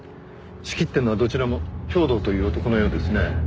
仕切ってるのはどちらも兵頭という男のようですね。